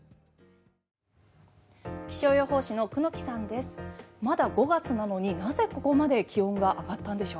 気象予報士の久能木さんです。